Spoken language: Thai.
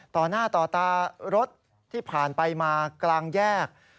ต่อหน้าต่อตารถที่ผ่านไปมากลางแยก